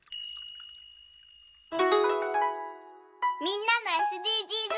みんなのＳＤＧｓかるた。